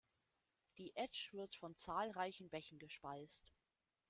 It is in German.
Die Etsch wird von zahlreichen Bächen gespeist.